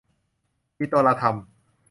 ปิโตรลาทัม